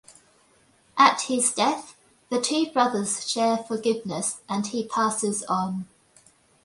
At his death the two brothers share forgiveness and he passes on.